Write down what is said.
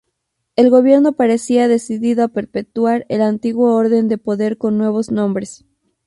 El Gobierno parecía decidido a perpetuar el antiguo orden de poder con nuevos nombres.